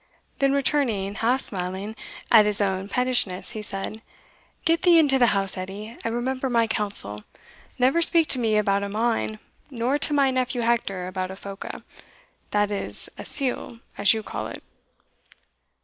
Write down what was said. Then returning, half smiling at his own pettishness, he said, "Get thee into the house, Edie, and remember my counsel, never speak to me about a mine, nor to my nephew Hector about a phoca, that is a sealgh, as you call it."